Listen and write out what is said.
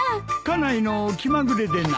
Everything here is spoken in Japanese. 家内の気まぐれでな。